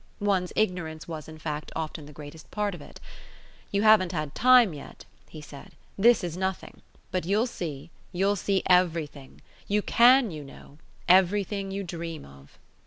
One's ignorance was in fact often the greatest part of it. "You haven't had time yet," he said; "this is nothing. But you'll see. You'll see everything. You CAN, you know everything you dream of."